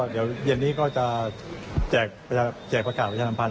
เดี๋ยวเย็นนี้ก็จะแจกประกาศประชาสัมพันธ